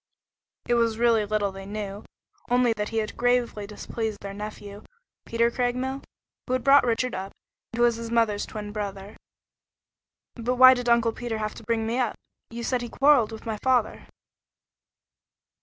It was really little they knew, only that he had gravely displeased their nephew, Peter Craigmile, who had brought Richard up, and who was his mother's twin brother. "But why did Uncle Peter have to bring me up? You say he quarreled with my father?"